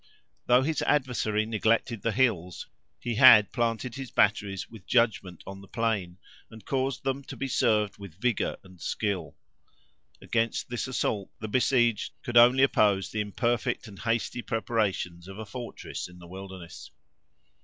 Though his adversary neglected the hills, he had planted his batteries with judgment on the plain, and caused them to be served with vigor and skill. Against this assault, the besieged could only oppose the imperfect and hasty preparations of a fortress in the wilderness.